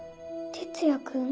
哲也君？